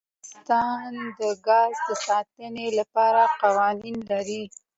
افغانستان د ګاز د ساتنې لپاره قوانین لري.